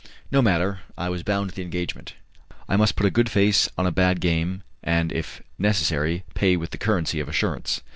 No matter, I was bound to the engagement. I must put a good face on a bad game, and if necessary pay with the currency of assurance.